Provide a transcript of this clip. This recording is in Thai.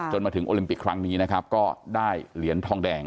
มาถึงโอลิมปิกครั้งนี้นะครับก็ได้เหรียญทองแดง